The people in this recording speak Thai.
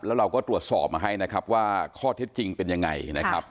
แล้วเราก็ตรวจสอบมาให้นะครับว่าข้อเท็จจริงเป็นยังไงนะครับ